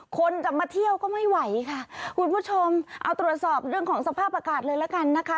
คนจะมาเที่ยวก็ไม่ไหวค่ะคุณผู้ชมเอาตรวจสอบเรื่องของสภาพอากาศเลยละกันนะคะ